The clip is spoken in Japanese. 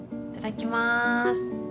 頂きます。